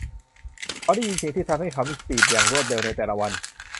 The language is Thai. เขาได้ยินเสียงที่ทำให้เขามีสติอย่างรวดเร็วในแต่ละวัน